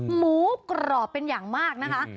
หมูกรอบเป็นอย่างมากนะคะ